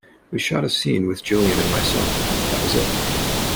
We shot a scene with Gillian and myself, and that was it.